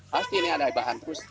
pasti ini ada hebahan terus